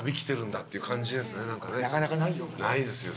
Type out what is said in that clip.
なかなかないよ。